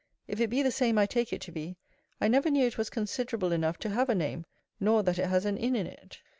If it be the same I take it to be, I never knew it was considerable enough to have a name; nor that it has an inn in it.